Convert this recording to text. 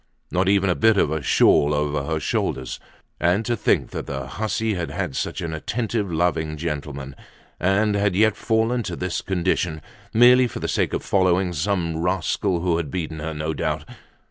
Not even a bit of a shawl over her shoulders. And to think that the hussy had had such an attentive, loving gentleman, and had yet fallen to this condition, merely for the sake of following some rascal who had beaten her, no doubt!